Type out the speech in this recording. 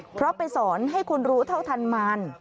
เพราะไปสอนให้คนรู้เท่าทันมาร